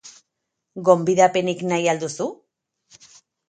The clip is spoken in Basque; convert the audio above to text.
Gonbidapenik nahi al duzu?